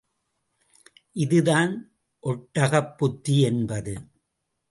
இதுதான் ஒட்டகப் புத்தி என்பது.